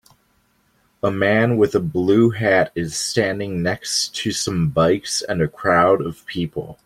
A man with a blue hat is standing next to some bikes and a crowd of people.